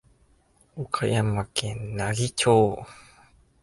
岡山県奈義町